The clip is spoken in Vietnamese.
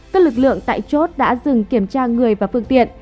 các lực lượng tại chốt đã dừng kiểm tra người và phương tiện